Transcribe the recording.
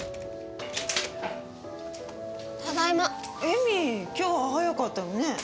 恵美今日は早かったのね。